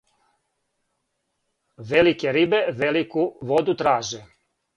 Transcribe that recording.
Велике рибе велику воду траже.